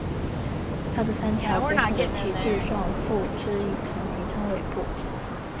它的三条最后的旗帜状附肢一同形成尾部。